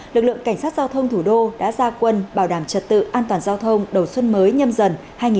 lực lượng cảnh sát giao thông thủ đô đã ra quân bảo đảm trật tự an toàn giao thông đầu xuân mới nhâm dần hai nghìn hai mươi